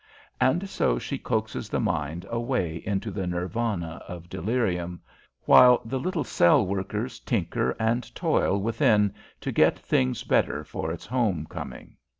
And so she coaxes the mind away into the Nirvana of delirium, while the little cell workers tinker and toil within to get things better for its home coming.